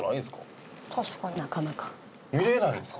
見れないんですか？